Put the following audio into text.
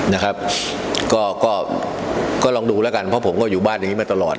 นะครับก็ก็ลองดูแล้วกันเพราะผมก็อยู่บ้านอย่างงี้มาตลอด